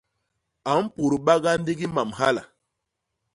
A mpudba ñga ndigi mam hala.